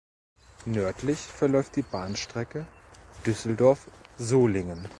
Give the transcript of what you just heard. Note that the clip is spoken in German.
Nördlich verläuft die Bahnstrecke Düsseldorf–Solingen.